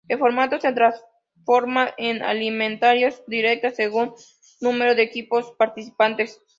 El formato se transforma en eliminatorias directas según número de equipos participantes.